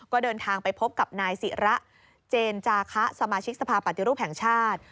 ก็เดินทางไปพบกับนายศิระเจนจาคะสมาชิกสภาปฏิรูปแห่งชาติ